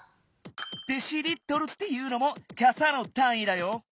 「デシリットル」っていうのもかさのたんいだよ。